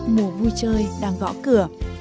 mùa vui chơi đang gõ cửa